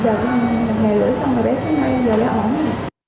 giờ là ngày rưỡi xong rồi bé xuống đây giờ là ổn rồi